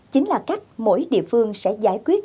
chính là cách mỗi địa phương sẽ giải quyết